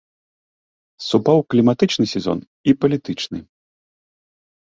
Супаў кліматычны сезон і палітычны.